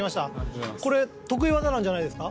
これ得意技なんじゃないですか？